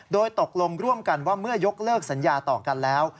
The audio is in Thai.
โดยตกลงร่วมกันว่าเมื่อยกเลิกสัญญาต่อกันแล้ว